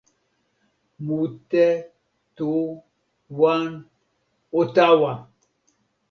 mute. tu. wan. o tawa!